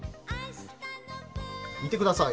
見てください。